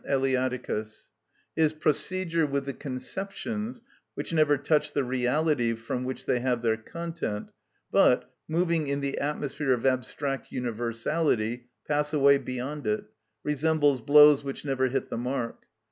Eleat._) His procedure with the conceptions, which never touch the reality from which they have their content, but, moving in the atmosphere of abstract universality, pass away beyond it, resembles blows which never hit the mark.